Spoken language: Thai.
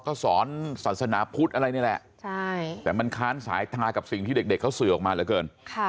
เขาสอนศาสนาพุทธอะไรนี่แหละแต่มันค้านสายตากับสิ่งที่เด็กเขาสื่อออกมาเหลือเกิน